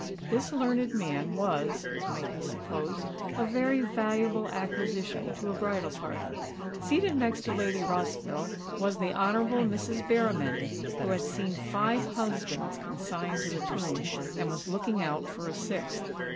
This learned man was, as might be supposed, a very valuable acquisition to a bridal party. Seated next to Lady Rossville was the Honourable Mrs. Berrymenny, who had seen five husbands consigned to the tomb, and was looking out for a sixth.